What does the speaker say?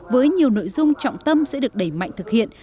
với nhiều nội dung trọng tâm sẽ được đẩy mạnh thực hiện